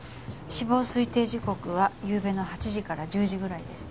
死亡推定時刻はゆうべの８時から１０時ぐらいです。